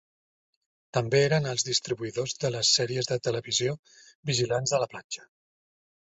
També eren els distribuïdors de les sèries de TV "Vigilants de la platja".